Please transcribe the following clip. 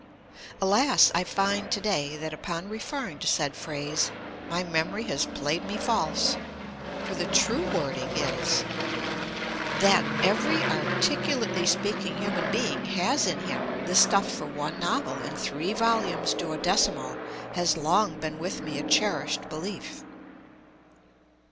Alas I find to day that, upon referring to said phrase, my memory has played me false, for the true wording is — "That every articulately speaking human being has in him the stuff for one novel in three [vii] INSCRIPTION volumes Duodecimo has long been with me a cherished belief."